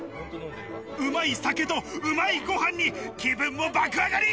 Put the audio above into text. うまい酒とうまいご飯に気分も爆上がり！